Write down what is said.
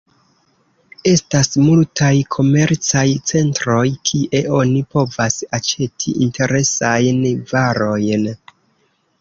Estas multaj komercaj centroj kie oni povas aĉeti interesajn varojn.